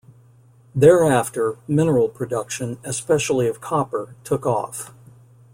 Thereafter, mineral production, especially of copper, took off.